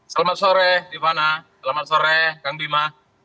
selamat sore rifana selamat sore kang bima